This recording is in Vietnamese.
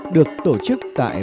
được tổ chức tại